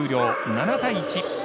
７対１。